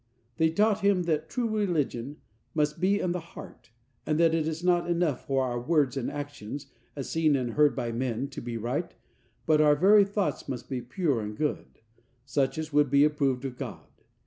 They taught him that true religion must be in the heart, and that it is not enough for our words and actions, as seen and heard by men, to be right, but our very thoughts must be pure and good, such as would be approved of God.